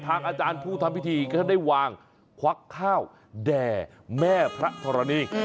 อาจารย์ผู้ทำพิธีก็ได้วางควักข้าวแด่แม่พระธรณี